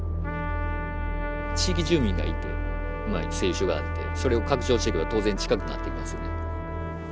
地域住民がいて製油所があってそれを拡張していくと当然近くなっていきますよね。